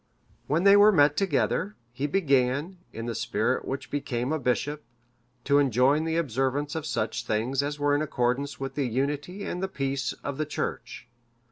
When they were met together, he began, in the spirit which became a bishop, to enjoin the observance of such things as were in accordance with the unity and the peace of the Church.